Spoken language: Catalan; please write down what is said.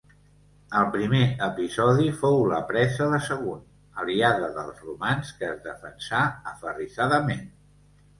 El primer episodi fou la presa de Sagunt, aliada dels romans, que es defensà aferrissadament.